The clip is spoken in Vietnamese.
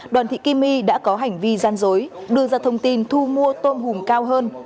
đoàn thị kimi đã có hành vi gian dối đưa ra thông tin thu mua tôm hùm cao hơn